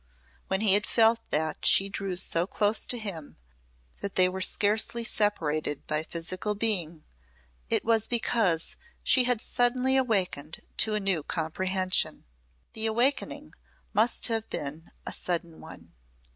When he had felt that she drew so close to him that they were scarcely separated by physical being, it was because she had suddenly awakened to a new comprehension. The awakening must have been a sudden one.